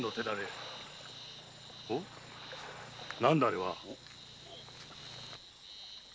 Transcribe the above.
何だあれは？